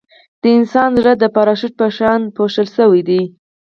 د انسان زړه د پراشوټ په شان دی پوه شوې!.